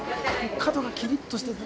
角がキリッとしてて。